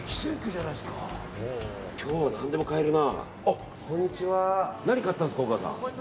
今日、何でも買えるな。